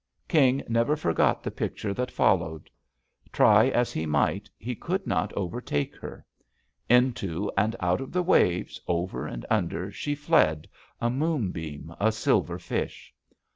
King never forgot the picture that fol lowed. Try as he might, he could not over take her. Into and out of the waves, over and under« she fled, a moonbeam, a silver fish.